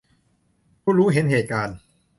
ผู้รู้เห็นเหตุการณ์